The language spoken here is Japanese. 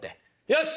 よし！